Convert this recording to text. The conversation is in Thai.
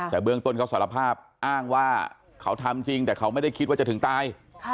แต่เบื้องต้นเขาสารภาพอ้างว่าเขาทำจริงแต่เขาไม่ได้คิดว่าจะถึงตาย